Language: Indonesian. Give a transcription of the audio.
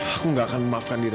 aku gak akan memaafkan diri